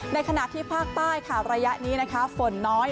ในขณะที่ภาคใต้ค่ะระยะนี้นะคะฝนน้อย